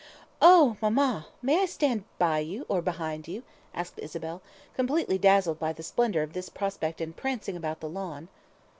"Oh, Mamma, may I stand by you, or behind you?" asked Isabel, completely dazzled by the splendour of this prospect and prancing about the lawn.